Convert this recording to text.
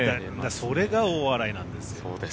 それが大洗なんですよ。